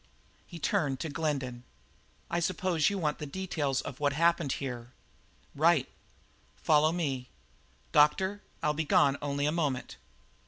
He turned to Glendin. "I suppose you want the details of what happened here?" "Right." "Follow me. Doctor, I'll be gone only a moment."